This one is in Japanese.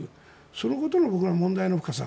そのことの問題の深さ。